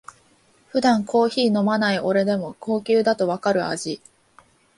普段コーヒー飲まない俺でも高級だとわかる味